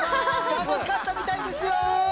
たのしかったみたいですよ。